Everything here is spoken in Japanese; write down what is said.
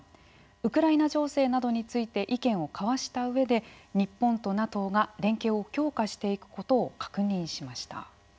ウクライナ情勢などについて意見を交わした上で日本とＮＡＴＯが連携を強化していくことを確認しました。